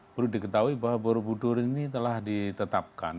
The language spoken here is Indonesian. perlu diketahui bahwa buru budur ini telah ditetapkan